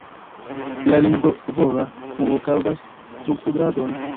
La lingvovora fungo kaŭzas trunkpudradon.